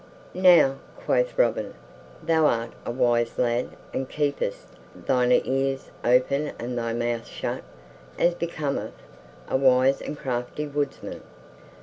"Now," quoth Robin, "thou art a wise lad and keepest thine ears open and thy mouth shut, as becometh a wise and crafty woodsman.